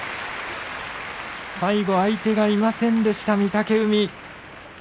最後、相手がいませんでした御嶽海。